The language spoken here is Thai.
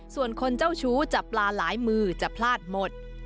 ส่วนคนเจ้าชู้จับปลาหลายมือจะพลาดหมด